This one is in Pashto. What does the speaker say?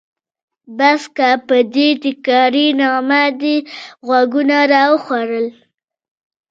بس که! په دې تکراري نغمه دې غوږونه راوخوړل.